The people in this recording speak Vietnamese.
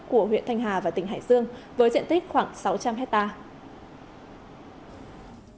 của huyện thanh hà và tỉnh hải dương với diện tích khoảng sáu trăm linh hectare